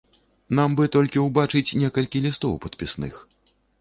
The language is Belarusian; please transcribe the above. Нам бы толькі ўбачыць некалькі лістоў падпісных.